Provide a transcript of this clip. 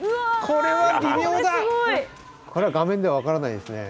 これは画面ではわからないですね。